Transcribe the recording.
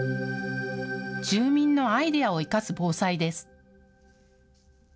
住民のアイデアを生かす防災です。